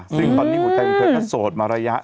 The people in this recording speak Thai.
ซึ่งตอนนี้ผมแทนคุณเธอสดมาระยะ